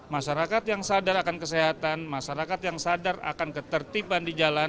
masyarakat yang sadar akan kesehatan masyarakat yang sadar akan ketertiban di jalan